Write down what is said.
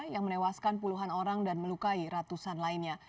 yang menewaskan puluhan orang dan melukai ratusan lainnya